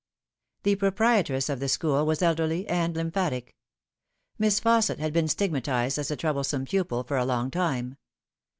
The proprietress of the school was elderly and lymphatic. Miss Fausset had been stigmatised as a troublesome pupil for a long time.